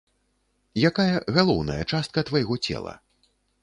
Якая галоўная частка твайго цела?